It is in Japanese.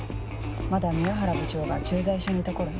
まだ宮原部長が駐在所にいた頃ね。